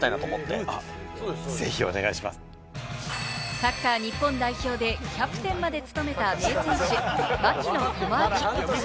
サッカー日本代表でキャプテンまで務めた名選手・槙野智章。